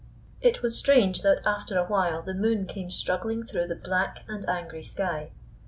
It was strange that after awhile the moon came struggling through the black and angry sky.